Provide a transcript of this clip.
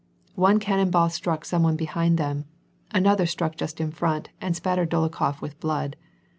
One cannon ball struck some one behind them, another strack just in front, and spattered Dolokhof with blood.